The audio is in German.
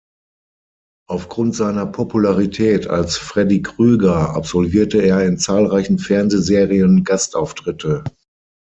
Aufgrund seiner Popularität als "Freddy Krueger" absolvierte er in zahlreichen Fernsehserien Gastauftritte.